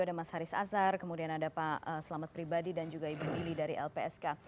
ada mas haris azhar kemudian ada pak selamat pribadi dan juga ibu lili dari lpsk